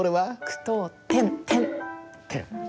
句読点点！